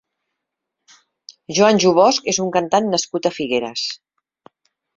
Joanjo Bosk és un cantant nascut a Figueres.